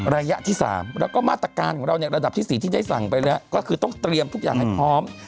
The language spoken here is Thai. ระยะที่๓แล้วก็มาตรการของเราในระดับที่๔ที่ได้สั่งไปแล้วก็คือต้องเตรียมทุกอย่างให้พร้อม